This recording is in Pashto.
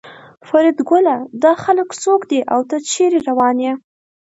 فریدګله دا خلک څوک دي او ته چېرې روان یې